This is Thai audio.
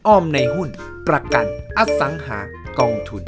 อ้อมในหุ้นประกันอสังหากองทุน